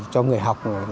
cho người học